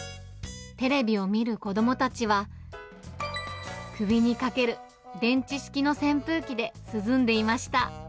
テレビを見る子どもたちは、首にかける電池式の扇風機で涼んでいました。